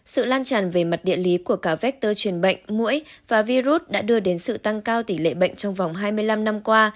sự lan tràn về mặt địa lý của cả vector truyền bệnh mũi và virus đã đưa đến sự tăng cao tỷ lệ bệnh trong vòng hai mươi năm năm qua